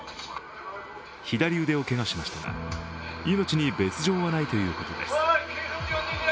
左腕をけがしましたが命に別状はないということです。